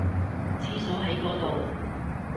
廁所喺嗰度